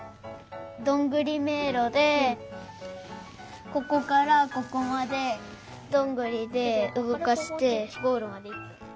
どんぐりめいろでここからここまでどんぐりでうごかしてゴールまでいく。